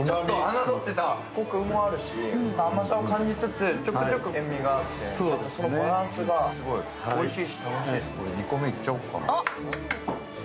コクもあるし、甘さを感じつつ、ちょくちょく塩みがあって、そのバランスがおいしい